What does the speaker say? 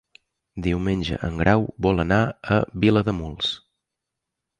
Diumenge en Grau vol anar a Vilademuls.